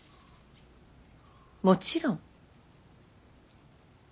もちろん。